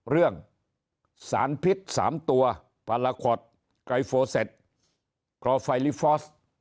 เรื่องสารพิษสามตัวพาราคอร์ดไกรโฟเซตคลอร์ไฟลิฟฟอร์ส